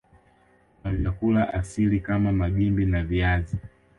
Kuna vyakula vya asili kama Magimbi na viazi